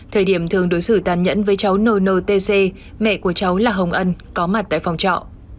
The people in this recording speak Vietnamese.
thời điểm thương đối xử tàn nhẫn với cháu nntc mẹ của cháu là hồng ân có mặt tại phòng trọ